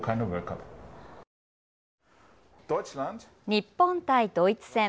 日本対ドイツ戦。